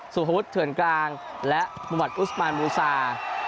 สุภวุฒิเถื่อนกลางและมุมัติอุสมานมูซา